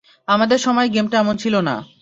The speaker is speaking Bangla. আমাদের সময়ে গেমটা এমন ছিলো না।